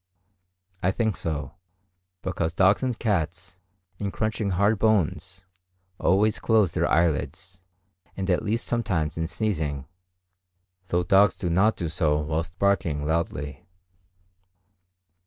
I think so, because dogs and cats, in crunching hard bones, always close their eyelids, and at least sometimes in sneezing; though dogs do not do so whilst barking loudly.